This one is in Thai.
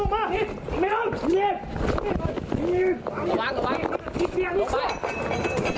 ไม่เป็นไรครับไม่เป็นไร